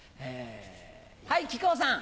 はい木久扇さん。